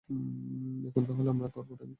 এখন, তাহলে আমরা করবটা কী?